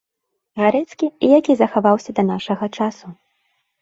Гарэцкі і які захаваўся да нашага часу.